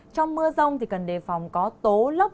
trong mưa rông thì cần đề phòng có tố lốc